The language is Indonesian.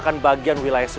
saya sudah kira saja